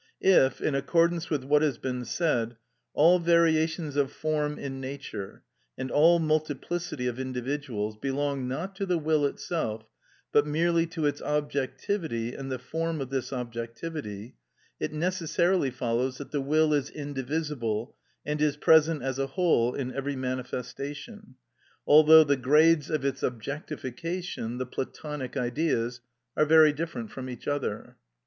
If, in accordance with what has been said, all variations of form in nature, and all multiplicity of individuals, belong not to the will itself, but merely to its objectivity and the form of this objectivity, it necessarily follows that the will is indivisible and is present as a whole in every manifestation, although the grades of its objectification, the (Platonic) Ideas, are very different from each other.